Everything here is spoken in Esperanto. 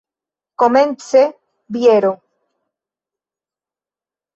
Komence biero.